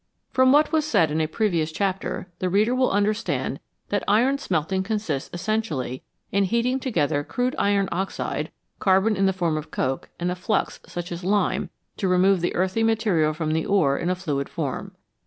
From what was said in a previous chapter, the reader will understand that iron smelting consists essentially in heating together crude iron oxide, carbon in the form of coke, and a flux, such as lime, to remove the earthy material from the ore in a fluid form.